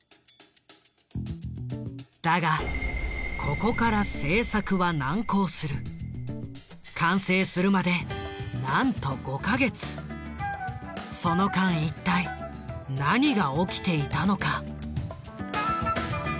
だがここから完成するまでなんとその間一体何が起きていたのか？